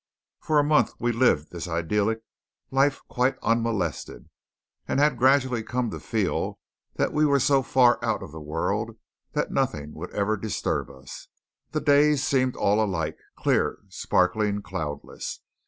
For a month we lived this idyllic life quite unmolested, and had gradually come to feel that we were so far out of the world that nothing would ever disturb us. The days seemed all alike, clear, sparkling, cloudless.